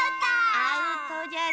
アウトじゃぞ。